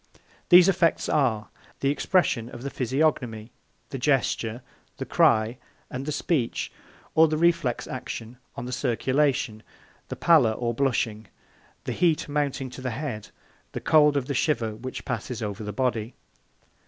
These effects are: the expression of the physiognomy, the gesture, the cry, and the speech; or the reflex action on the circulation, the pallor or blushing, the heat mounting to the head, or the cold of the shiver which passes over the body.